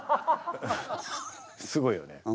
すごいよね。